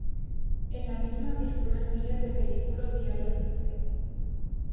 En la misma circulan miles de vehículos diariamente.